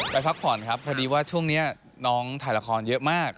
พักผ่อนครับพอดีว่าช่วงนี้น้องถ่ายละครเยอะมาก